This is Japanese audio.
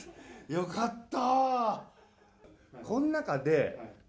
よかった。